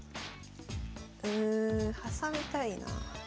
うん挟みたいな。